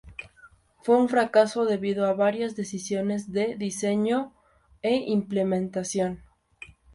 Fue un fracaso debido a varias decisiones de diseño e implementación.